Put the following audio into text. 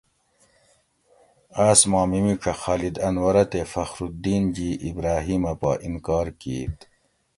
آس ما میمیڄہ خالد انورہ تے فخرالدین جی ابراھیمہ پا انکار کیت